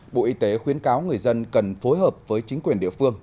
bộ y tế khuyến cáo người dân cần phối hợp với chính quyền địa phương